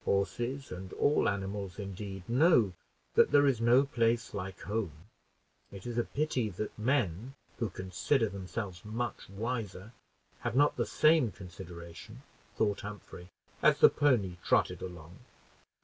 "Horses, and all animals indeed, know that there is no place like home; it is a pity that men who consider themselves much wiser, have not the same consideration," thought Humphrey, as the pony trotted along.